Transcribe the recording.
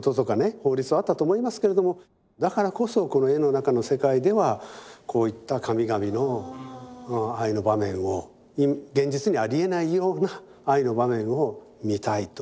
法律はあったと思いますけれどもだからこそこの絵の中の世界ではこういった神々の愛の場面を現実にはありえないような愛の場面を見たいと。